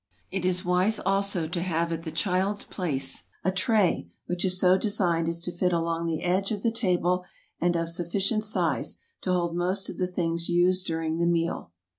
Hammered so as not to show mar It is wise also to have at the child's place a tray which is so designed as to fit along the edge of the table, and of sufficient size to hold most of the things used during the meal.